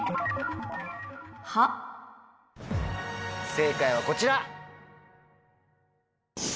正解はこちら。